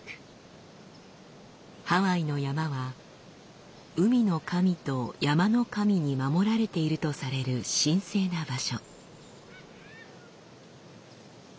ハワイの山は海の神と山の神に守られているとされる神聖な場所。